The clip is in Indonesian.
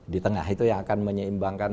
di tengah itu yang akan menyeimbangkan